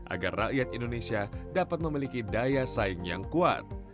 agar rakyat indonesia dapat memiliki daya saing yang kuat